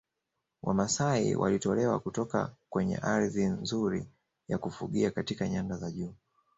Wamasai walitolewa kutoka kwenye ardhi nzuri ya kufugia katika nyanda za juu